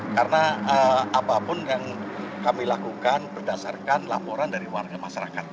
karena apapun yang kami lakukan berdasarkan laporan dari warga masyarakat